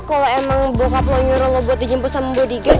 kalau emang bokap lo nyuruh lo buat dijemput sama bodyguard